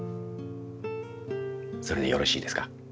それでよろしいですか？